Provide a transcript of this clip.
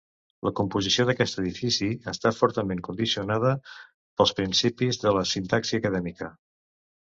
La composició d'aquest edifici està fortament condicionada pels principis de la sintaxi acadèmica.